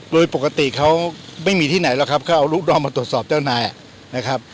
โดยปกติเขาไม่มีที่ไหนหรอกครับเขาเอารูปเรามาตรวจสอบเจ้านายนะครับ